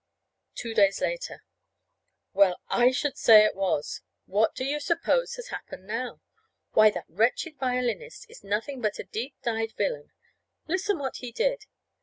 Two days later. Well, I should say it was! What do you suppose has happened now? Why, that wretched violinist is nothing but a deep dyed villain! Listen what he did.